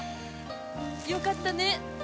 よかったね。